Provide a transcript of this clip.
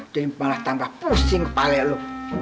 dan malah tambah pusing kepala lo